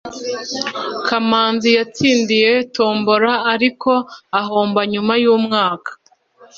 kamanzi yatsindiye tombola, ariko ahomba nyuma yumwaka